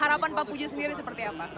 harapan pak puji sendiri seperti apa